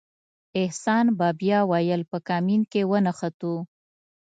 احسان به بیا ویل په کمین کې ونښتو.